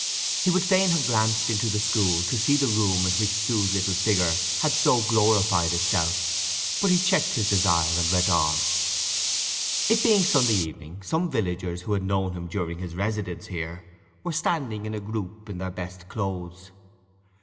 He would fain have glanced into the school to see the room in which Sue's little figure had so glorified itself; but he checked his desire and went on. It being Sunday evening some villagers who had known him during his residence here were standing in a group in their best clothes.